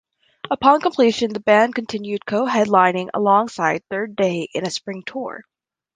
Upon completion, the band continued coheadlining alongside Third Day in a Spring tour.